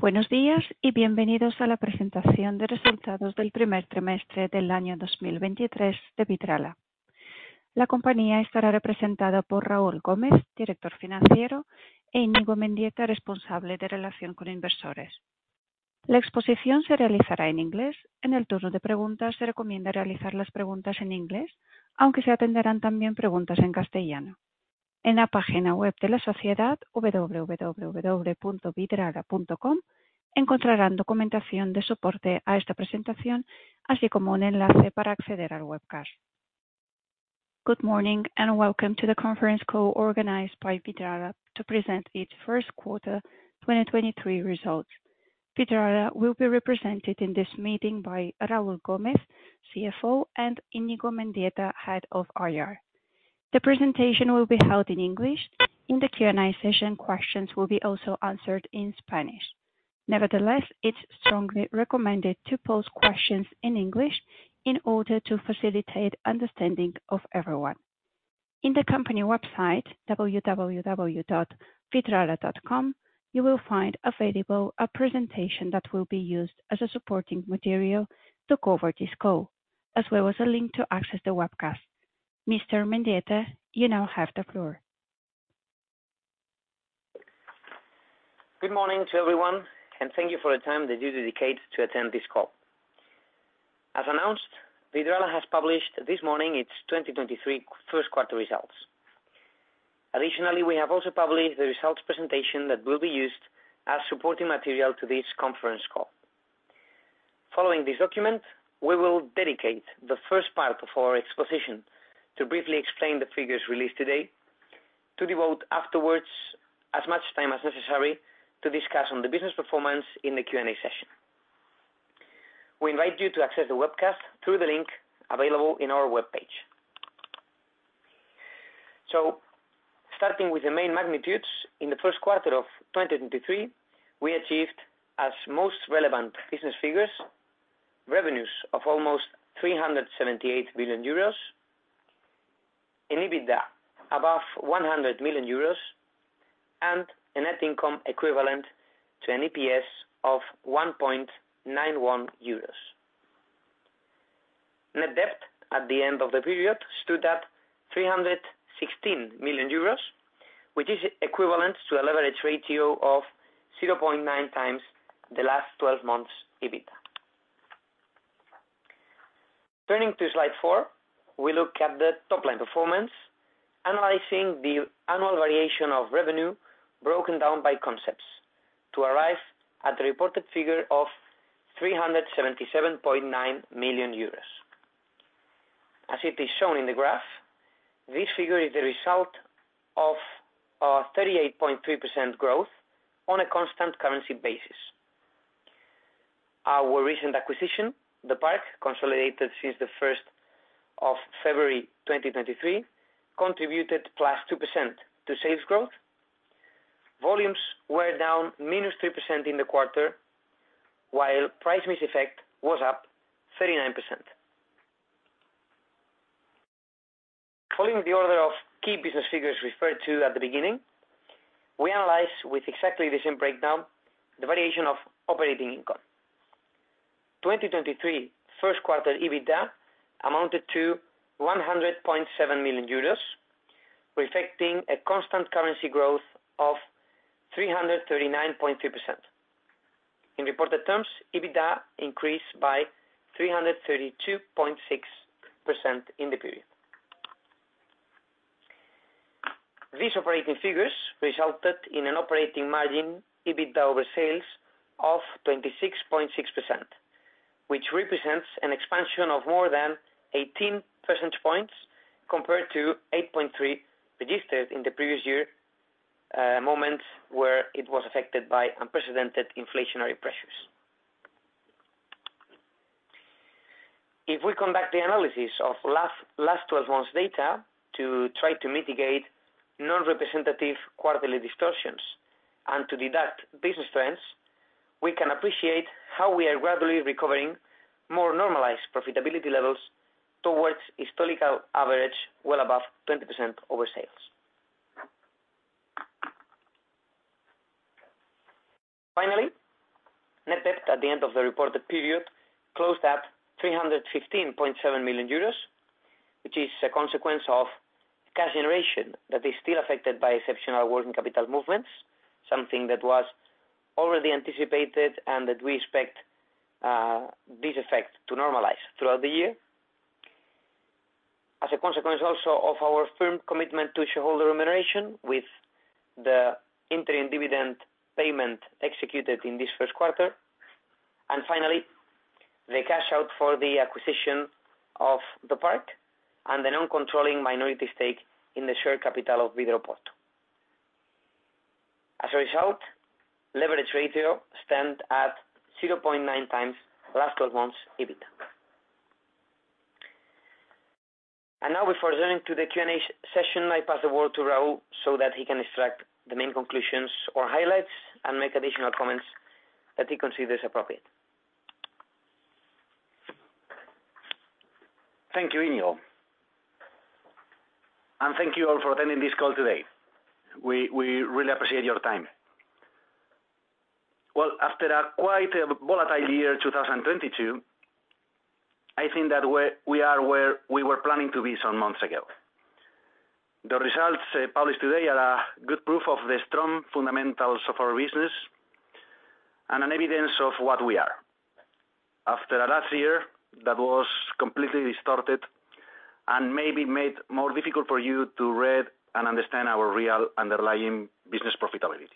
Buenos días y bienvenidos a la presentación de resultados del primer trimestre del año 2023 de Vidrala. La compañía estará representada por Raúl Gómez, Chief Financial Officer, e Iñigo Mendieta, Head of Investor Relations. La exposición se realizará en inglés. En el turno de preguntas, se recomienda realizar las preguntas en inglés, aunque se atenderán también preguntas en castellano. En la página web de la sociedad, www.vidrala.com, encontrarán documentación de soporte a esta presentación, así como un enlace para acceder al webcast. Good morning and welcome to the conference call organized by Vidrala to present its First Quarter 2023 Results. Vidrala will be represented in this meeting by Raúl Gómez, CFO, and Iñigo Mendieta, Head of IR. The presentation will be held in English. In the Q&A session, questions will be also answered in Spanish. It's strongly recommended to pose questions in English in order to facilitate understanding of everyone. In the company website, www.vidrala.com, you will find available a presentation that will be used as a supporting material to cover this call, as well as a link to access the webcast. Mr. Mendieta, you now have the floor. Good morning to everyone, and thank you for the time that you dedicate to attend this call. As announced, Vidrala has published this morning its 2023 First Quarter Results. Additionally, we have also published the results presentation that will be used as supporting material to this conference call. Following this document, we will dedicate the first part of our exposition to briefly explain the figures released today, to devote afterwards as much time as necessary to discuss on the business performance in the Q&A session. We invite you to access the webcast through the link available in our webpage. Starting with the main magnitudes, in the first quarter of 2023, we achieved as most relevant business figures, revenues of almost 378 billion euros, an EBITDA above 100 million euros, and a net income equivalent to an EPS of 1.91 euros. Net debt at the end of the period stood at 316 million euros, which is equivalent to a leverage ratio of 0.9x the last twelve months EBITDA. Turning to slide four, we look at the top-line performance, analyzing the annual variation of revenue broken down by concepts to arrive at the reported figure of 377.9 million euros. As it is shown in the graph, this figure is the result of a 38.3% growth on a constant currency basis. Our recent acquisition, The Park, consolidated since the first of February 2023, contributed +2% to sales growth. Volumes were down -3% in the quarter, while price mix effect was up 39%. Following the order of key business figures referred to at the beginning, we analyze with exactly the same breakdown the variation of operating income. 2023 first quarter EBITDA amounted to 100.7 million euros, reflecting a constant currency growth of 339.3%. In reported terms, EBITDA increased by 332.6% in the period. These operating figures resulted in an operating margin EBITDA over sales of 26.6%, which represents an expansion of more than 18% points compared to 8.3% registered in the previous year, moment where it was affected by unprecedented inflationary pressures. If we conduct the analysis of last 12 months data to try to mitigate non-representative quarterly distortions and to deduct business trends, we can appreciate how we are gradually recovering more normalized profitability levels towards historical average well above 20% over sales. Finally, net debt at the end of the reported period closed at 315.7 million euros, which is a consequence of cash generation that is still affected by exceptional working capital movements, something that was already anticipated and that we expect this effect to normalize throughout the year. As a consequence also of our firm commitment to shareholder remuneration with the interim dividend payment executed in this first quarter. Finally, the cash out for the acquisition of The Park and the non-controlling minority stake in the share capital of Vidroporto. As a result, leverage ratio stand at 0.9x last 12 months EBITDA. Now before turning to the Q&A session, I pass the word to Raúl so that he can extract the main conclusions or highlights and make additional comments that he considers appropriate. Thank you, Iñigo, thank you all for attending this call today. We really appreciate your time. Well, after a quite a volatile year 2022, I think that we are where we were planning to be some months ago. The results published today are a good proof of the strong fundamentals of our business an evidence of what we are after last year that was completely distorted and maybe made more difficult for you to read and understand our real underlying business profitability.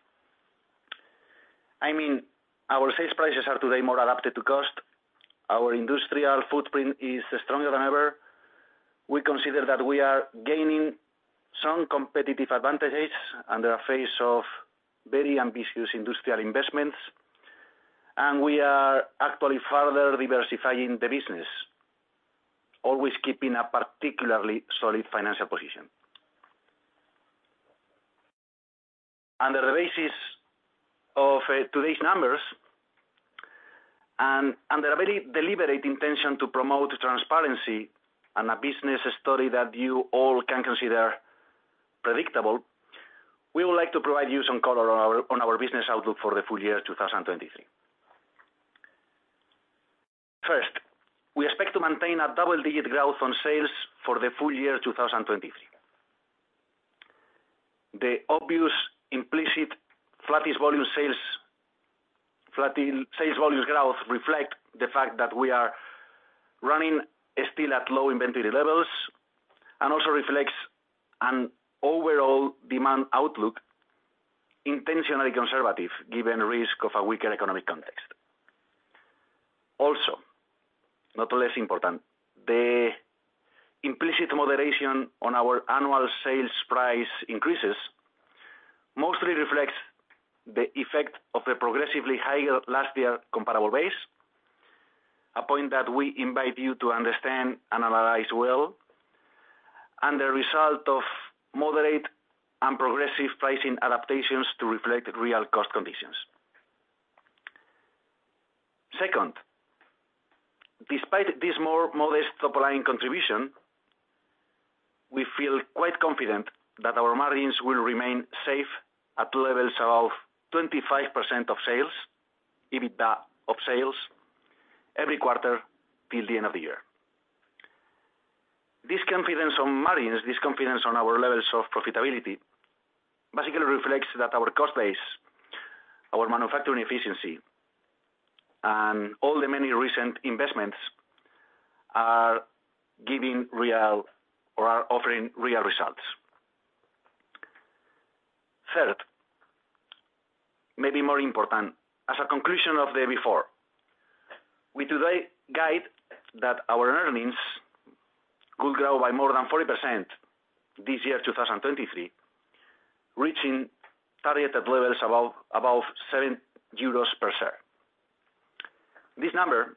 I mean, our sales prices are today more adapted to cost. Our industrial footprint is stronger than ever. We consider that we are gaining some competitive advantages under a phase of very ambitious industrial investments, we are actually further diversifying the business, always keeping a particularly solid financial position. Under the basis of today's numbers and the very deliberate intention to promote transparency and a business story that you all can consider predictable, we would like to provide you some color on our business outlook for the full year 2023. First, we expect to maintain a double-digit growth on sales for the full year 2023. The obvious implicit flatting sales volumes growth reflect the fact that we are running still at low inventory levels and also reflects an overall demand outlook intentionally conservative given risk of a weaker economic context. Also, not less important, the implicit moderation on our annual sales price increases mostly reflects the effect of a progressively higher last year comparable base, a point that we invite you to understand and analyze well, and the result of moderate and progressive pricing adaptations to reflect real cost conditions. Second, despite this more modest top line contribution, we feel quite confident that our margins will remain safe at levels above 25% of sales, EBITDA of sales every quarter till the end of the year. This confidence on margins, this confidence on our levels of profitability basically reflects that our cost base, our manufacturing efficiency and all the many recent investments are giving real or are offering real results. Third, maybe more important, as a conclusion of the before, we today guide that our earnings could grow by more than 40% this year, 2023, reaching targeted levels above 7 euros per share. This number,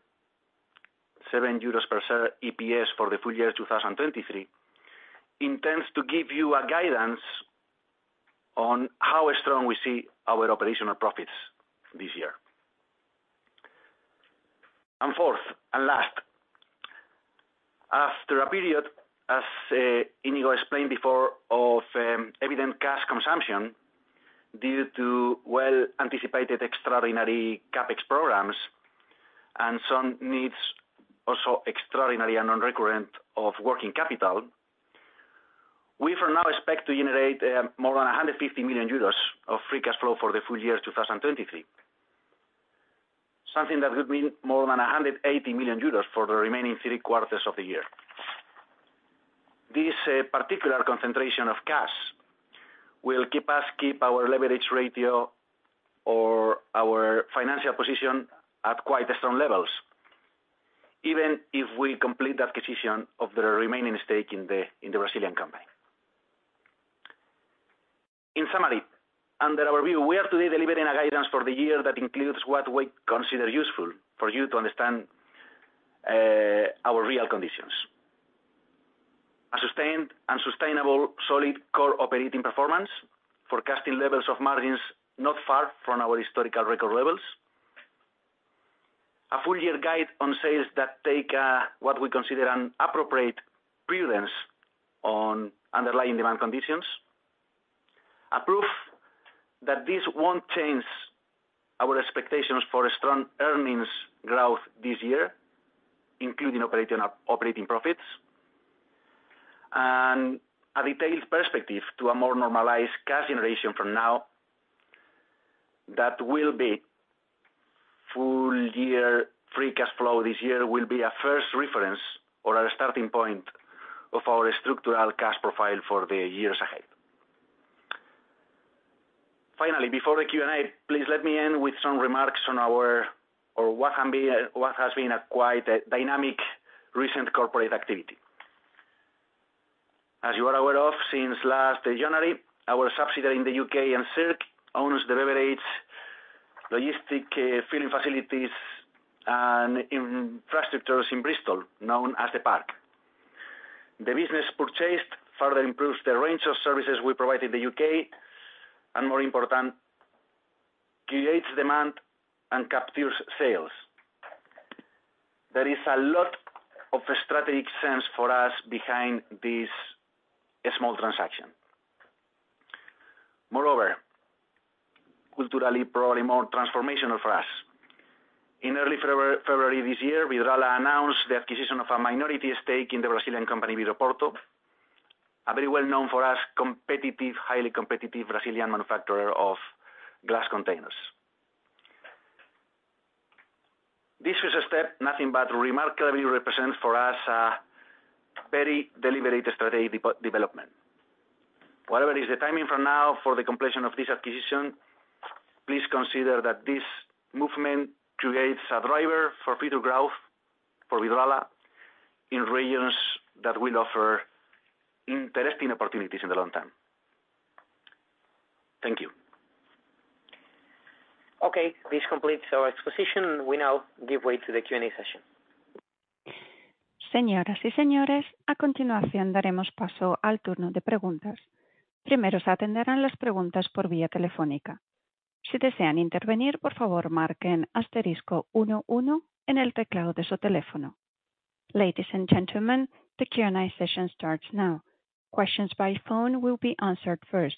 7 euros per share EPS for the full year 2023, intends to give you a guidance on how strong we see our operational profits this year. Fourth and last, after a period, as Iñigo explained before, of evident cash consumption due to well anticipated extraordinary CapEx programs and some needs also extraordinary and non-recurrent of working capital, we for now expect to generate more than 150 million euros of free cash flow for the full year 2023, something that would mean more than 180 million euros for the remaining three quarters of the year. This particular concentration of cash will keep our leverage ratio or our financial position at quite strong levels, even if we complete the acquisition of the remaining stake in the Brazilian company. In summary, under our view, we are today delivering a guidance for the year that includes what we consider useful for you to understand our real conditions. A sustained and sustainable solid core operating performance, forecasting levels of margins not far from our historical record levels. A full year guide on sales that take what we consider an appropriate prudence on underlying demand conditions. A proof that this won't change our expectations for strong earnings growth this year, including operating profits. A detailed perspective to a more normalized cash generation from now that will be full-year free cash flow this year will be a first reference or a starting point of our structural cash profile for the years ahead. Finally, before the Q&A, please let me end with some remarks on what has been a quite dynamic recent corporate activity. As you are aware of since last January, our subsidiary in the U.K., Encirc, owns the beverage logistic filling facilities and infrastructures in Bristol, known as The Park. The business purchased further improves the range of services we provide in the U.K. More important, creates demand and captures sales. There is a lot of strategic sense for us behind this small transaction. Moreover, culturally, probably more transformational for us. In early February this year, Vidrala announced the acquisition of a minority stake in the Brazilian company, Vidroporto, a very well known for us competitive, highly competitive Brazilian manufacturer of glass containers. This was a step nothing but remarkably represents for us a very deliberate strategic development. Whatever is the timing for now for the completion of this acquisition, please consider that this movement creates a driver for future growth for Vidrala in regions that will offer interesting opportunities in the long term. Thank you. Okay, this completes our exposition. We now give way to the Q&A session. Ladies and gentlemen, the Q&A session starts now. Questions by phone will be answered first.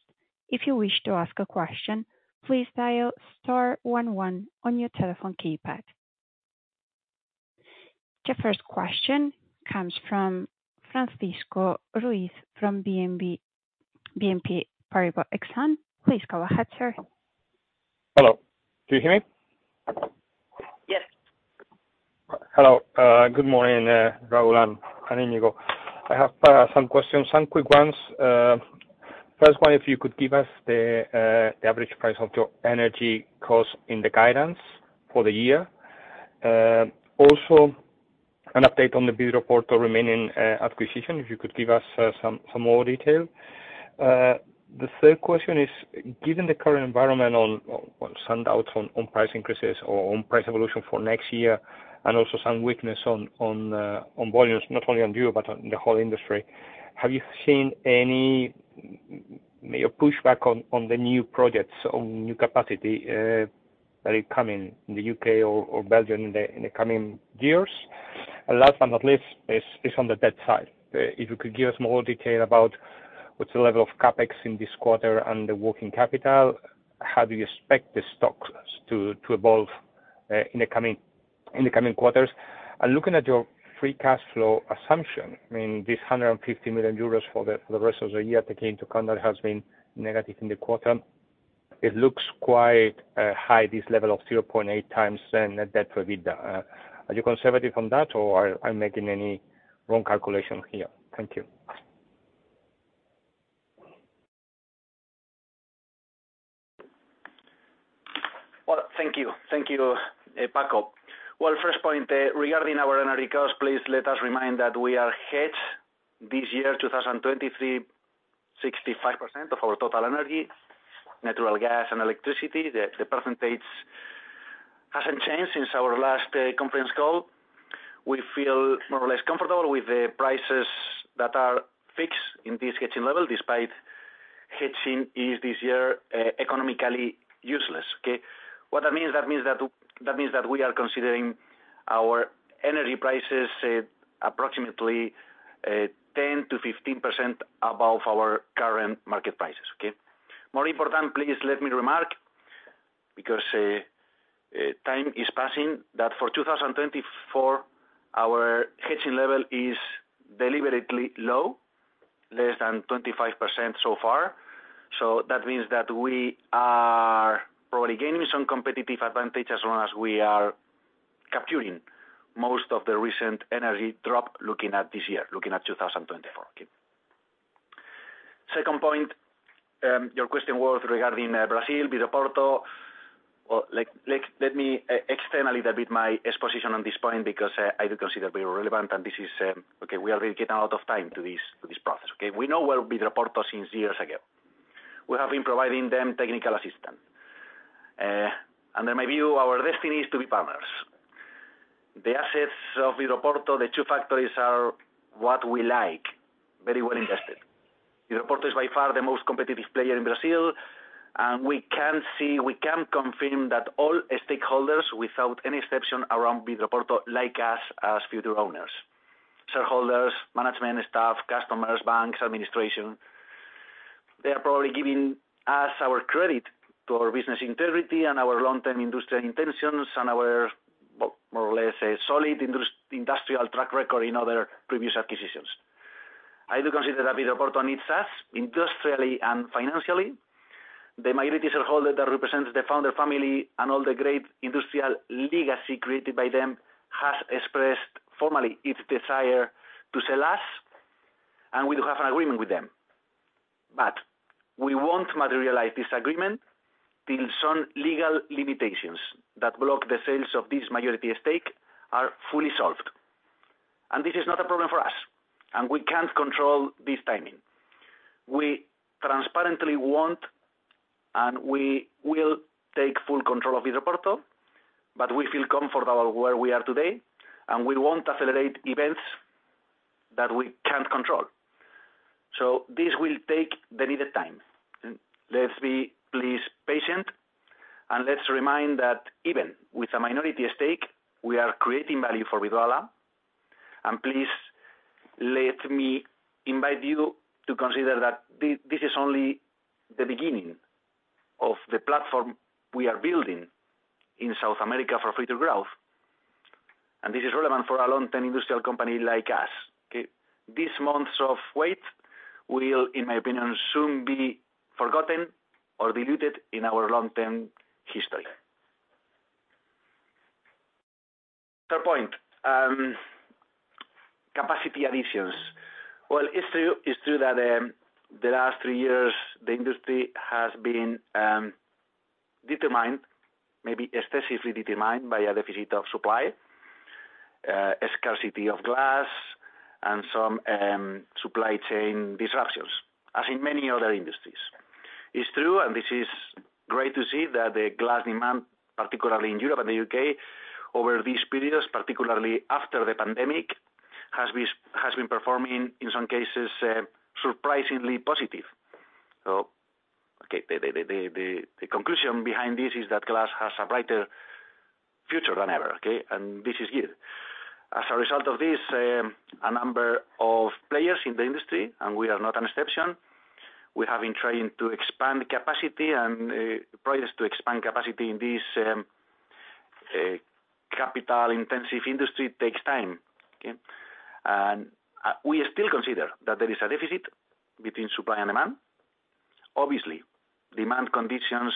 If you wish to ask a question, please dial star one one on your telephone keypad. The first question comes from Francisco Ruiz from BNP Paribas Exane. Please go ahead, sir. Hello. Do you hear me? Yes. Hello. Good morning, Raúl and Iñigo. I have some questions. Some quick ones. First one if you could give us the average price of your energy cost in the guidance for the year. Also an update on the Vidroporto remaining acquisition, if you could give us some more detail. The third question is, given the current environment on some doubts on price increases or on price evolution for next year and also some weakness on volumes, not only on you, but on the whole industry, have you seen any may pushback on the new projects, on new capacity, that are coming in the U.K. or Belgium in the coming years? Last but not least is on the debt side. If you could give us more detail about what's the level of CapEx in this quarter and the working capital, how do you expect the stocks to evolve in the coming quarters? Looking at your free cash flow assumption, I mean, this 150 million euros for the rest of the year taking into account that has been negative in the quarter, it looks quite high level of 0.8x then net debt for EBITDA. Are you conservative on that, or I'm making any wrong calculation here? Thank you. Well, thank you. Thank you, Paco. Well, first point, regarding our energy costs, please let us remind that we are hedged this year, 2023, 65% of our total energy, natural gas and electricity. The percentage hasn't changed since our last conference call. We feel more or less comfortable with the prices that are fixed in this hedging level, despite hedging is this year, economically useless, okay? What that means, that means that we are considering our energy prices at approximately 10%-15% above our current market prices. Okay? More important, please let me remark, because time is passing, that for 2024, our hedging level is deliberately low, less than 25% so far. That means that we are probably gaining some competitive advantage as long as we are capturing most of the recent energy drop looking at this year, looking at 2024, okay. Second point, your question was regarding Brazil, Vidroporto. Well, let me extend a little bit my exposition on this point because I do consider very relevant and this is, okay, we already given a lot of time to this, to this process. Okay. We know well Vidroporto since years ago. We have been providing them technical assistance. Under my view, our destiny is to be partners. The assets of Vidroporto, the two factories are what we like, very well invested. Vidroporto is by far the most competitive player in Brazil, and we can see, we can confirm that all stakeholders, without any exception, around Vidroporto like us as future owners. Shareholders, management staff, customers, banks, administration, they are probably giving us our credit to our business integrity and our long-term industry intentions and our more or less a solid industrial track record in other previous acquisitions. I do consider that Vidroporto needs us industrially and financially. The majority shareholder that represents the founder family and all the great industrial legacy created by them has expressed formally its desire to sell us, and we do have an agreement with them. We won't materialize this agreement till some legal limitations that block the sales of this majority stake are fully solved. This is not a problem for us, and we can't control this timing. We transparently want, and we will take full control of Vidroporto, but we feel comfortable where we are today, and we won't accelerate events that we can't control. This will take the needed time. Let's be please patient, let's remind that even with a minority stake, we are creating value for Vidrala. Please let me invite you to consider that this is only the beginning of the platform we are building in South America for future growth. This is relevant for a long-term industrial company like us, okay? These months of wait will, in my opinion, soon be forgotten or diluted in our long-term history. Third point, capacity additions. Well, it's true that the last three years the industry has been determined, maybe excessively determined by a deficit of supply, a scarcity of glass and some supply chain disruptions, as in many other industries. It's true, and this is great to see that the glass demand, particularly in Europe and the U.K. over these periods, particularly after the pandemic, has been performing, in some cases, surprisingly positive. Okay. The conclusion behind this is that glass has a brighter future than ever, okay? This is good. As a result of this, a number of players in the industry, and we are not an exception, we have been trying to expand capacity and projects to expand capacity in this capital intensive industry takes time, okay? We still consider that there is a deficit between supply and demand. Obviously, demand conditions,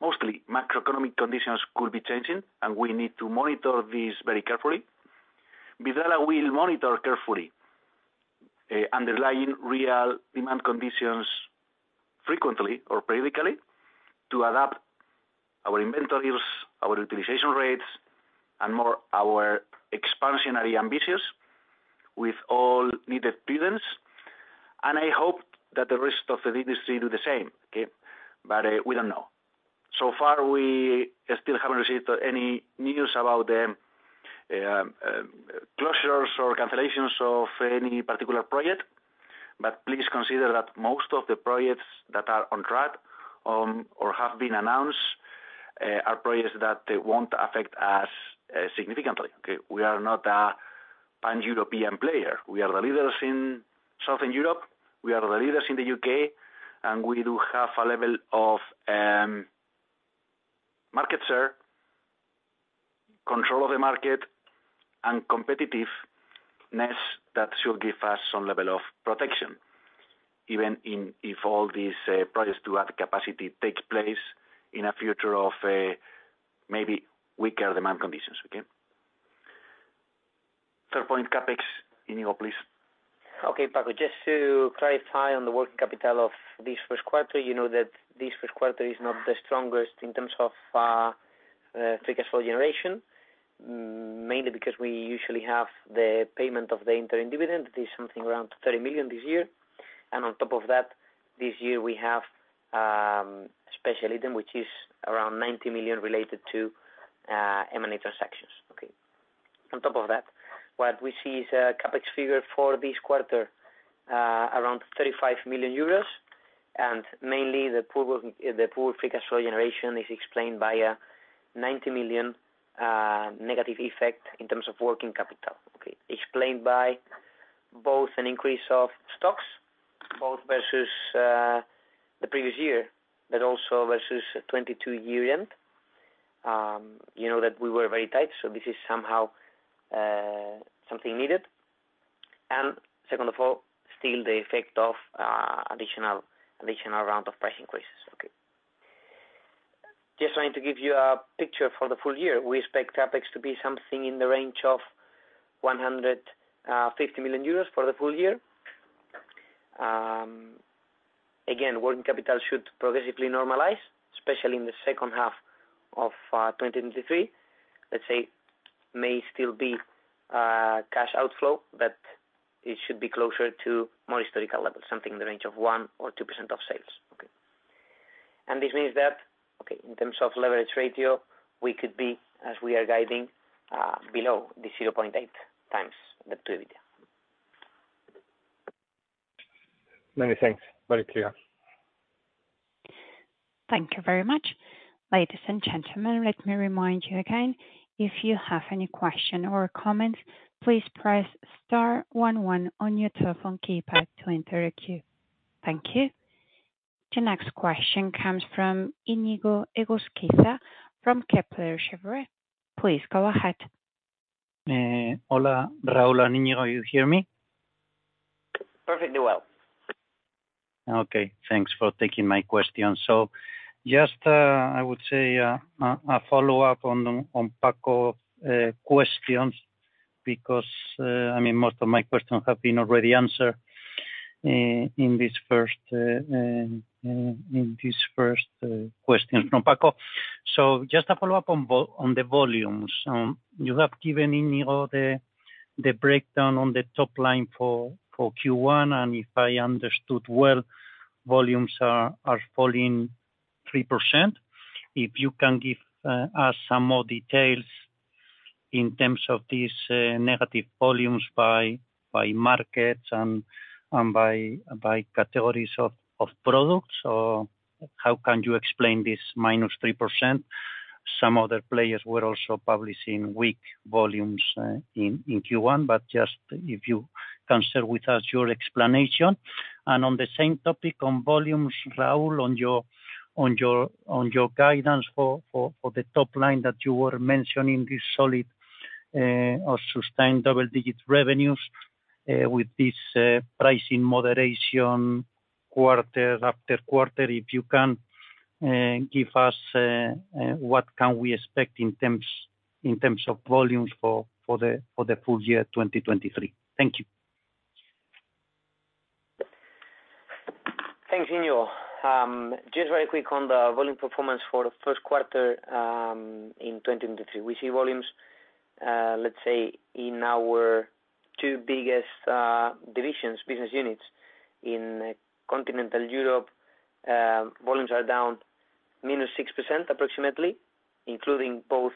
mostly macroeconomic conditions could be changing, and we need to monitor this very carefully. Vidrala will monitor carefully, underlying real demand conditions frequently or periodically to adapt our inventories, our utilization rates, and more our expansionary ambitions with all needed prudence. I hope that the rest of the industry do the same, okay? We don't know. So far, we still haven't received any news about the closures or cancellations of any particular project. Please consider that most of the projects that are on track or have been announced are projects that won't affect us significantly, okay? We are not a pan-European player. We are the leaders in Southern Europe, we are the leaders in the U.K., and we do have a level of market share, control of the market and competitiveness that should give us some level of protection, even if all these projects to add capacity takes place in a future of maybe weaker demand conditions, okay? Third point, CapEx. Iñigo, please. Okay, Paco. Just to clarify on the working capital of this first quarter, you know that this first quarter is not the strongest in terms of free cash flow generation, mainly because we usually have the payment of the interim dividend. This is something around 30 million this year. On top of that, this year we have special item which is around 90 million related to M&A transactions. Okay. On top of that, what we see is a CapEx figure for this quarter, around 35 million euros. Mainly the poor free cash flow generation is explained by a 90 million negative effect in terms of working capital, okay? Explained by both an increase of stocks, both versus the previous year, but also versus 2022 year end. You know that we were very tight, so this is somehow something needed. Second of all, still the effect of additional round of price increases. Just wanted to give you a picture for the full year. We expect CapEx to be something in the range of 150 million euros for the full year. Again, working capital should progressively normalize, especially in the second half of 2023. Let's say may still be cash outflow, but it should be closer to more historical levels, something in the range of 1% or 2% of sales. This means that in terms of leverage ratio, we could be, as we are guiding, below the 0.8x the EBITDA. Many thanks. Very clear. Thank you very much. Ladies and gentlemen, let me remind you again, if you have any question or comments, please press star one one on your telephone keypad to enter a queue. Thank you. The next question comes from Iñigo Egusquiza from Kepler Cheuvreux. Please go ahead. hola, Raúl and Iñigo, you hear me? Perfectly well. Okay. Thanks for taking my question. Just, I would say, a follow-up on Paco questions because, I mean, most of my questions have been already answered in this first, in this first question from Paco. Just a follow-up on the volumes. You have given Iñigo the breakdown on the top line for Q1, and if I understood well, volumes are falling 3%. If you can give us some more details. In terms of these negative volumes by markets and by categories of products, or how can you explain this -3%? Some other players were also publishing weak volumes in Q1, but just if you can share with us your explanation. On the same topic on volumes, Raúl, on your guidance for the top line that you were mentioning, this solid or sustained double-digit revenues with this pricing moderation quarter after quarter. If you can give us what can we expect in terms of volumes for the full year 2023? Thank you. Thanks, Iñigo. Just very quick on the volume performance for the first quarter in 2023. We see volumes, let's say in our two biggest divisions, business units. In continental Europe, volumes are down -6% approximately, including both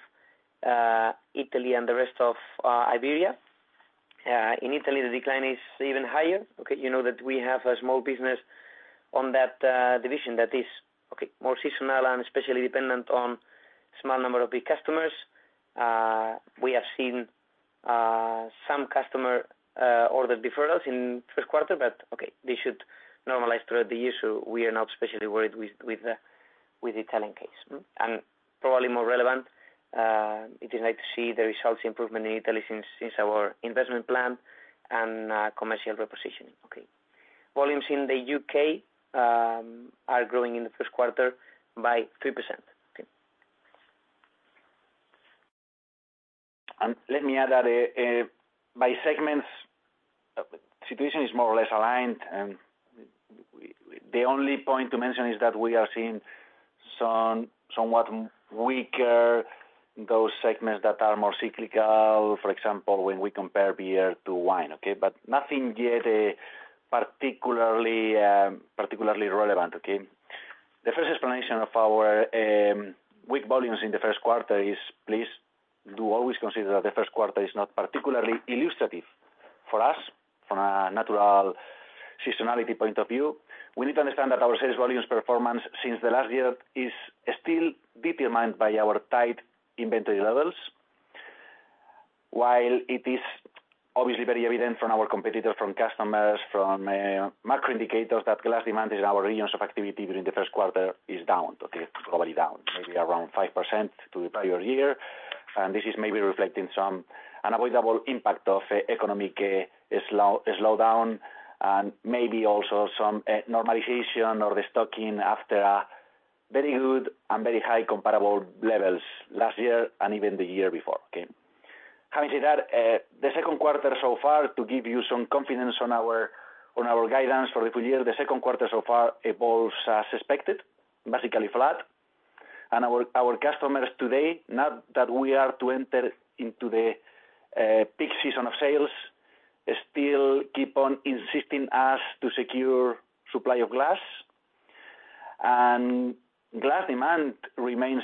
Italy and the rest of Iberia. In Italy, the decline is even higher, okay. You know that we have a small business on that division that is okay more seasonal and especially dependent on small number of big customers. We have seen some customer order deferrals in first quarter, but okay they should normalize throughout the year, so we are not especially worried with the Italian case. Probably more relevant, we'd like to see the results improvement in Italy since our investment plan and commercial reposition. Okay. Volumes in the U.K. are growing in the first quarter by 3%. Okay. Let me add that, by segments, situation is more or less aligned, the only point to mention is that we are seeing somewhat weaker those segments that are more cyclical. For example, when we compare beer to wine, okay? Nothing yet, particularly relevant, okay? The first explanation of our weak volumes in the first quarter is please do always consider that the first quarter is not particularly illustrative for us from a natural seasonality point of view. We need to understand that our sales volumes performance since the last year is still determined by our tight inventory levels. While it is obviously very evident from our competitors, from customers, from macro indicators that glass demand in our regions of activity during the first quarter is down. Okay? Probably down, maybe around 5% to the prior year. This is maybe reflecting some unavoidable impact of economic slowdown and maybe also some normalization or restocking after a very good and very high comparable levels last year and even the year before. Okay. Having said that, the second quarter so far, to give you some confidence on our guidance for the full year, the second quarter so far evolves as suspected, basically flat. Our customers today, now that we are to enter into the peak season of sales, still keep on insisting us to secure supply of glass. Glass demand remains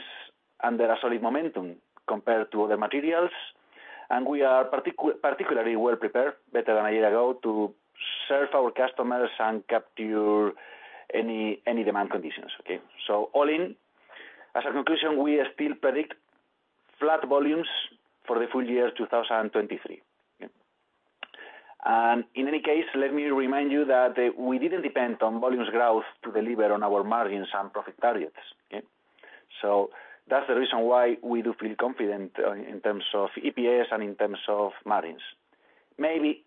under a solid momentum compared to other materials. We are particularly well prepared, better than a year ago, to serve our customers and capture any demand conditions. Okay? All in, as a conclusion, we still predict flat volumes for the full year 2023. Okay. In any case, let me remind you that we didn't depend on volumes growth to deliver on our margins and profit targets. Okay. That's the reason why we do feel confident in terms of EPS and in terms of margins. Maybe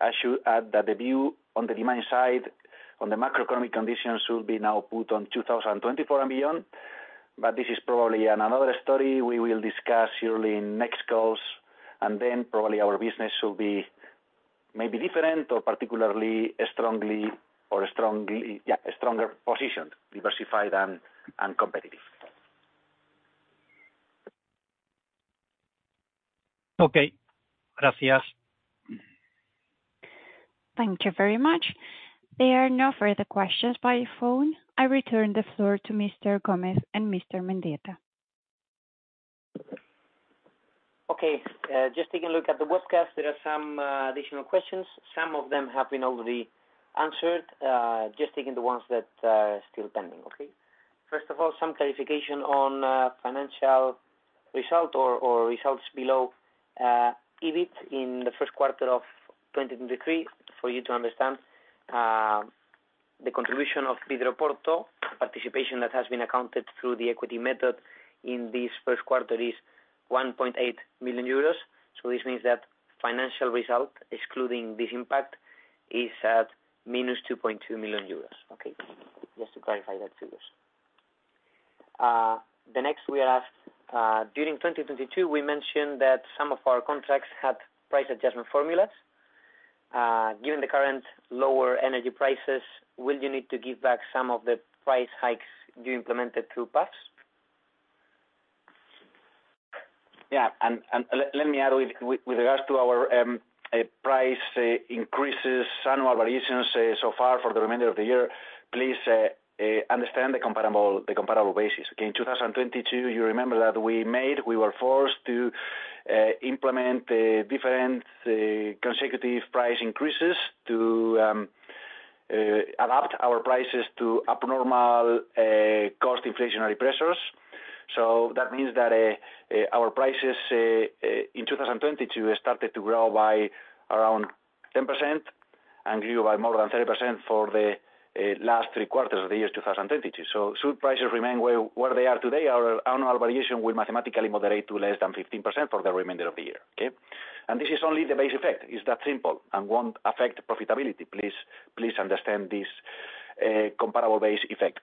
I should add that the view on the demand side, on the macroeconomic conditions will be now put on 2024 and beyond, this is probably another story we will discuss surely in next calls, then probably our business will be maybe different or particularly strongly, yeah, stronger positioned, diversified and competitive. Okay. Gracias. Thank you very much. There are no further questions by phone. I return the floor to Mr. Gómez and Mr. Mendieta. Okay. Just taking a look at the webcast, there are some additional questions. Some of them have been already answered. Just taking the ones that are still pending. Okay? First of all, some clarification on financial result or results below EBIT in the first quarter of 2023. For you to understand, the contribution of Vidroporto, the participation that has been accounted through the equity method in this first quarter is 1.8 million euros. This means that financial result, excluding this impact, is at -2.2 million euros. Okay. Just to clarify that to you. The next we are asked, during 2022, we mentioned that some of our contracts had price adjustment formulas. Given the current lower energy prices, will you need to give back some of the price hikes you implemented through paths? Yeah. Let me add with regards to our price increases annual variations so far for the remainder of the year, please understand the comparable basis. Okay. In 2022, you remember that we were forced to implement different consecutive price increases to adapt our prices to abnormal cost inflationary pressures. That means that our prices in 2022 have started to grow by around 10% and grew by more than 30% for the last three quarters of the year 2022. Should prices remain where they are today, our annual variation will mathematically moderate to less than 15% for the remainder of the year, okay? This is only the base effect. It's that simple and won't affect profitability. Please understand this comparable base effect.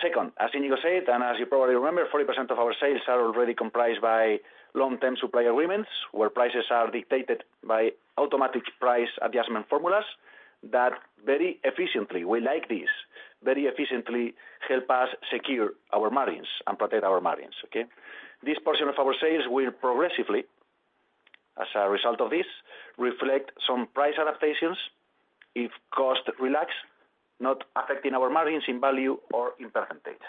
Second, as Iñigo said, and as you probably remember, 40% of our sales are already comprised by long-term supplier agreements, where prices are dictated by automatic price adjustment formulas that very efficiently, we like this, very efficiently help us secure our margins and protect our margins, okay? This portion of our sales will progressively, as a result of this, reflect some price adaptations if cost relax, not affecting our margins in value or in percentage.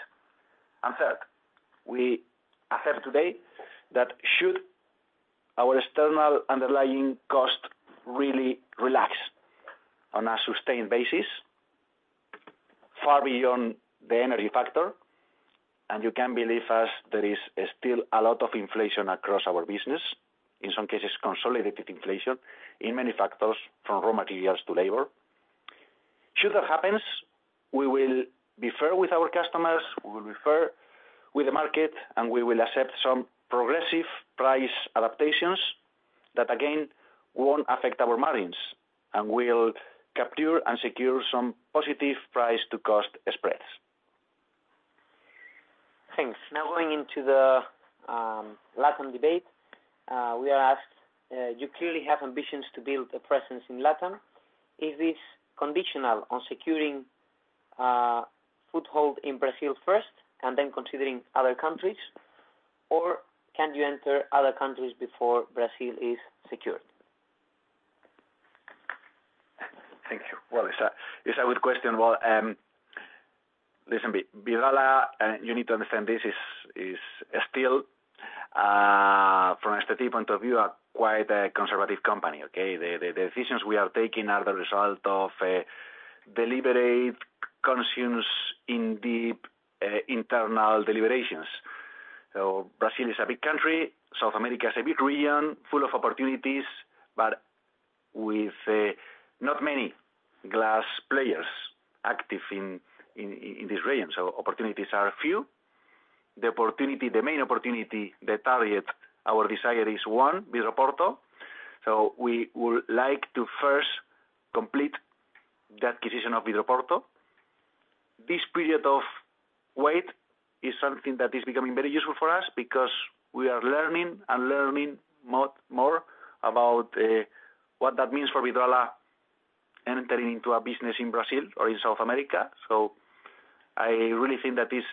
Third, we assert today that should our external underlying cost really relax on a sustained basis, far beyond the energy factor, and you can believe us, there is still a lot of inflation across our business, in some cases consolidated inflation in many factors from raw materials to labor. Should that happens, we will be fair with our customers, we will be fair with the market, and we will accept some progressive price adaptations that, again, won't affect our margins and will capture and secure some positive price to cost spreads. Thanks. Now going into the LatAm debate, we are asked, you clearly have ambitions to build a presence in LatAm. Is this conditional on securing a foothold in Brazil first and then considering other countries, or can you enter other countries before Brazil is secured? Thank you. Well, it's a, it's a good question. Well, listen, Vidrala, you need to understand this is still from a strategy point of view, a quite a conservative company, okay. The decisions we are taking are the result of deliberate, conscious, in deep internal deliberations. Brazil is a big country, South America is a big region, full of opportunities, but with not many glass players active in this region, opportunities are few. The opportunity, the main opportunity, the target, our desire is one, Vidroporto. We would like to first complete the acquisition of Vidroporto. This period of wait is something that is becoming very useful for us because we are learning and learning more about what that means for Vidrala entering into a business in Brazil or in South America. I really think that this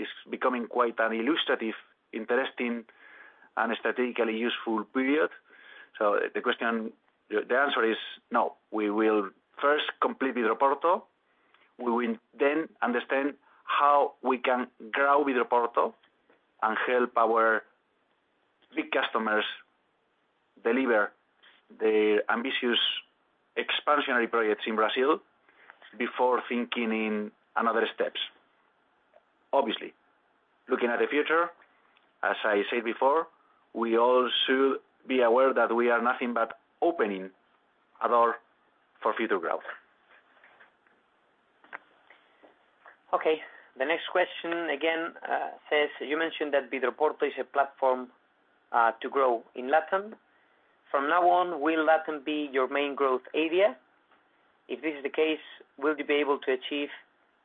is becoming quite an illustrative, interesting, and strategically useful period. The answer is no. We will first complete Vidroporto. We will understand how we can grow Vidroporto and help our big customers deliver the ambitious expansionary projects in Brazil before thinking in another steps. Obviously, looking at the future, as I said before, we all should be aware that we are nothing but opening a door for future growth. Okay. The next question again says you mentioned that Vidroporto is your platform to grow in LatAm. From now on, will LatAm be your main growth area? If this is the case, will you be able to achieve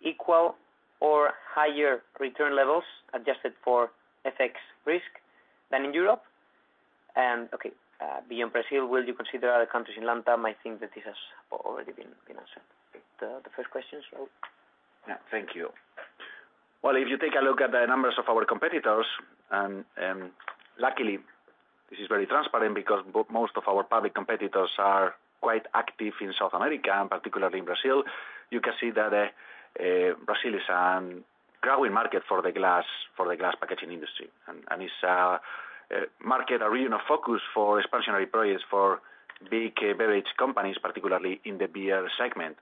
equal or higher return levels adjusted for FX risk than in Europe? Beyond Brazil, will you consider other countries in LatAm? I think that this has already been answered. The first questions. Yeah. Thank you. Well, if you take a look at the numbers of our competitors, luckily this is very transparent because most of our public competitors are quite active in South America, and particularly in Brazil. You can see that Brazil is a growing market for the glass packaging industry. is a market, a region of focus for expansionary projects for big beverage companies, particularly in the beer segment.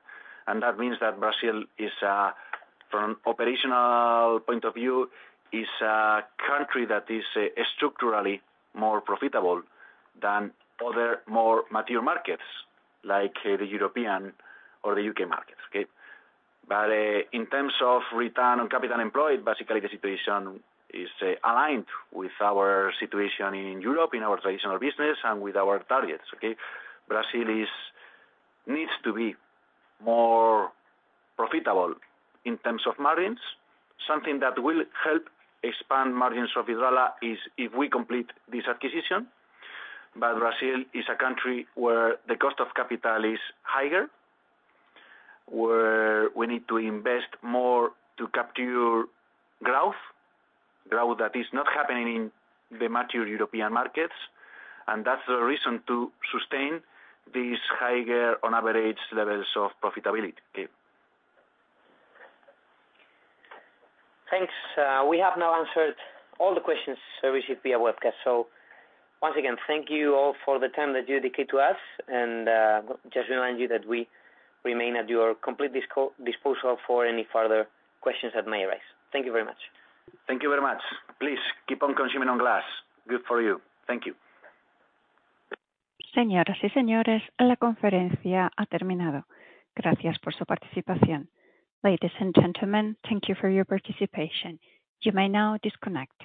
That means that Brazil is from operational point of view, is a country that is structurally more profitable than other more mature markets, like the European or the U.K. markets, okay? in terms of return on capital employed, basically the situation is aligned with our situation in Europe, in our traditional business and with our targets, okay? Brazil is... needs to be more profitable in terms of margins. Something that will help expand margins of Vidrala is if we complete this acquisition. Brazil is a country where the cost of capital is higher, where we need to invest more to capture growth that is not happening in the mature European markets. That's the reason to sustain these higher on average levels of profitability, okay. Thanks. We have now answered all the questions received via webcast. Once again, thank you all for the time that you dedicate to us, and just remind you that we remain at your complete disposal for any further questions that may arise. Thank you very much. Thank you very much. Please keep on consuming on glass. Good for you. Thank you. Ladies and gentlemen, thank you for your participation. You may now disconnect.